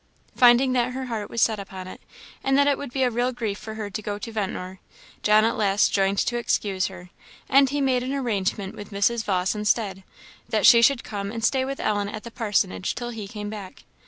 Finding that her heart was set upon it, and that it would be a real grief to her to go to Ventnor, John at last joined to excuse her; and he made an arrangement with Mrs. Vawse instead, that she should come and stay with Ellen at the parsonage till he came back.